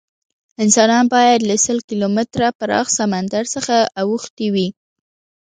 انسانان باید له سل کیلومتره پراخ سمندر څخه اوښتي وی.